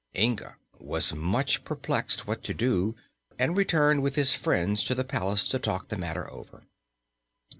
Inga was much perplexed what to do and returned with his friends to the palace to talk the matter over.